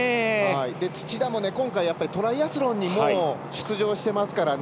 土田も今回トライアスロンにも出場してますからね。